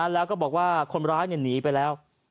แล้วก็บอกว่าคนร้ายหนีไปแล้ว